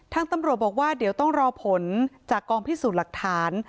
ทางตำรวจบอกว่าเดี๋ยวต้องรอผลจากกองพิสูจน์หลักฐาน